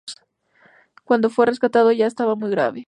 Cuando fue rescatado, ya estaba muy grave.